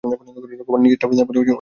গোপাল, নিজেরটা বলে ফোন কেটে দেয়।